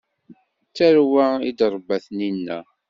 D tarwa i trebba tninna.